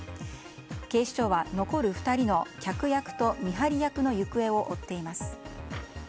警視庁は残る２人の客役と見張り役の行方を追っています。